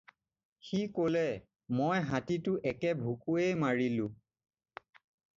"সি ক'লে- "মই হাতীটো একে ভুকুৱেই মাৰিলোঁ।"